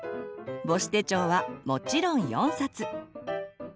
母子手帳はもちろん４冊。